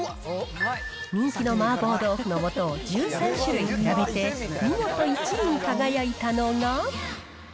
人気の麻婆豆腐のもとを１３種類比べて、見事１位に輝いたのが。